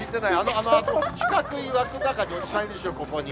あの四角い枠の中におじさんいるでしょ、ここに。